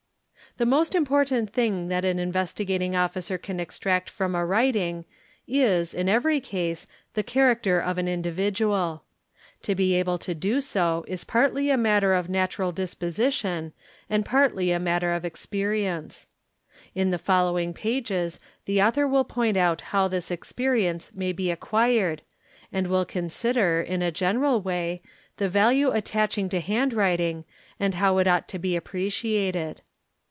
— The most important thing an Investigating Officer can extract from a writing is, in every case, the character of an individual. 'To be able to do so is partly a matter of natural disposition and partly a matter of experience. In the following pages the author will point out how this experience may be acquired and will consider, in a general way, the — value attaching to handwriting and how it ought to be appreciated.